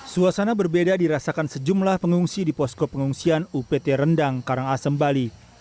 suasana berbeda dirasakan sejumlah pengungsi di posko pengungsian upt rendang karangasem bali